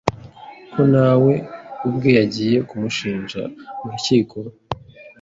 ko nawe ubwe yagiye kumushinja mu rukiko,